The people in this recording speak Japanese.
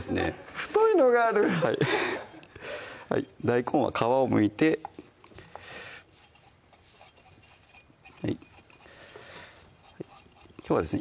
太いのがある大根は皮をむいてきょうはですね